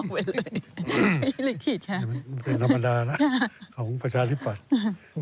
ไม่ใช่ธรรมดานะของประชาติปัตส์